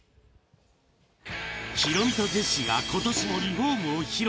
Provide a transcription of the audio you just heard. ヒロミとジェシーがことしもリフォームを披露。